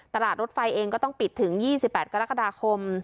ตลาดรถไฟเองก็ต้องปิดถึงยี่สิบแปดกรกฎาคม